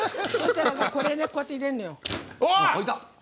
こうやって入れるのよ。